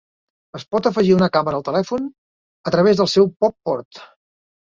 Es pot afegir una càmera al telèfon a través del seu Pop-Port.